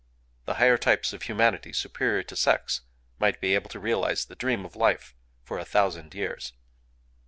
The higher types of a humanity superior to sex might be able to realize the dream of life for a thousand years.